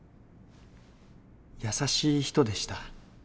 優しい人でした。